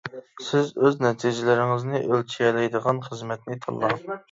سىز ئۆز نەتىجىلىرىڭىزنى ئۆلچىيەلەيدىغان خىزمەتنى تاللاڭ.